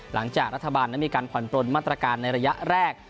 หลังจากรัฐบาลนั้นมีการผ่อนปลนมาตรการในระยะแรก